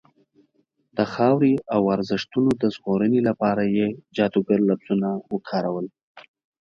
د خاورې او ارزښتونو د ژغورنې لپاره یې جادوګر لفظونه وکارول.